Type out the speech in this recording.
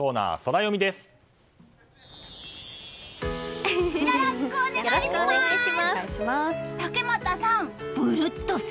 よろしくお願いします！